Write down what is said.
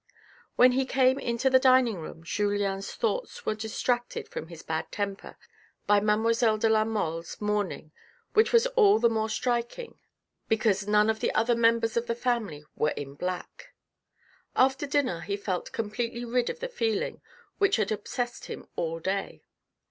When he came into the dining room Julien's thoughts were distracted from his bad temper by mademoiselle de la Mole's mourning which was all the more striking because none of the other members of the family were in black. After dinner he felt completely rid of the feeling which had obsessed him all day.